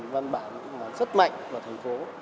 văn bản rất mạnh của thành phố